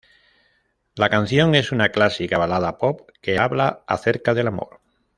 La canción es una clásica balada pop que habla acerca del amor.